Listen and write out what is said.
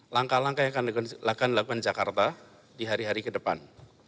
langkah langkah yang akan dilakukan jakarta di hari hari ke depan